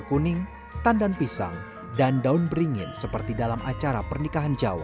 kidalang berdoa lirik